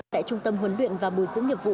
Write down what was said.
tại trung tâm huấn luyện và bồi dưỡng nghiệp vụ